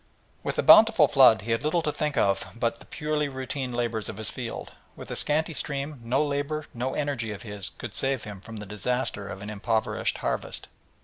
With a bountiful flood he had little to think of but the purely routine labours of his fields; with a scanty stream no labour, no energy of his could save him from the disaster of an impoverished harvest.